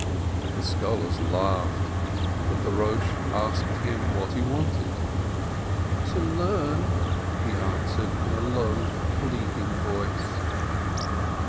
The scholars laughed, but the Eosh ha Yeshiveh asked him what he wanted. "To learn," he answered in a low, pleading voice.